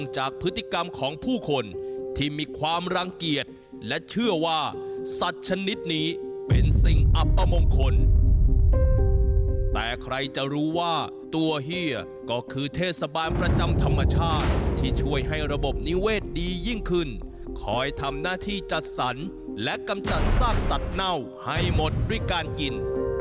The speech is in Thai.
แต่พฤติกรรมของผู้คนที่มีความรังเกียจและเชื่อว่าสัตว์ชนิดนี้เป็นสิ่งอับใครจะรู้ว่าตัวเฮียก็คือเทศบาลประจำธรรมชาติที่ช่วยให้ระบบนิเวศดียิ่งขึ้นคอยทำหน้าที่จัดสรรและกำจัดซากสัตว์เน่าให้หมดด้วยการกิน